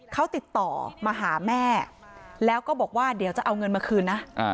เขาติดต่อมาหาแม่แล้วก็บอกว่าเดี๋ยวจะเอาเงินมาคืนนะ